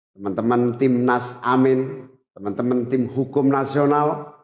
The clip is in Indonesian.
teman teman timnas amin teman teman tim hukum nasional